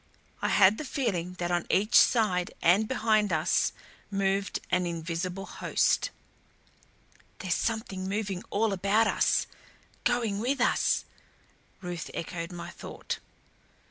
I had the feeling that on each side and behind us moved an invisible host. "There's something moving all about us going with us," Ruth echoed my thought.